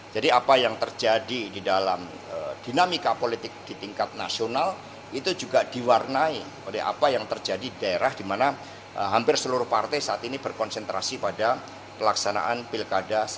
apa yang terjadi di dalam dinamika politik di tingkat nasional itu juga diwarnai oleh apa yang terjadi di daerah di mana hampir seluruh partai saat ini berkonsentrasi pada pelaksanaan pilkada